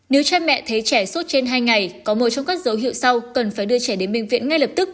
nếu cha mẹ thấy trẻ sốt trên hai ngày có một trong các dấu hiệu sau cần phải đưa trẻ đến bệnh viện ngay lập tức